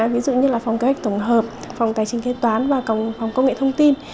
ví dụ như là phòng kế hoạch tổng hợp phòng tài chính kế toán và phòng công nghệ thông tin